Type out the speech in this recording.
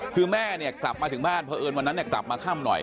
คือแม่เนี่ยกลับมาถึงบ้านเพราะเอิญวันนั้นกลับมาค่ำหน่อย